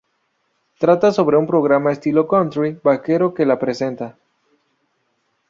Trata sobre un programa estilo country-vaquero que la presenta.